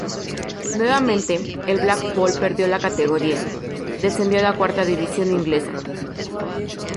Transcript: Nuevamente, el Blackpool perdió la categoría, descendiendo a la cuarta división inglesa.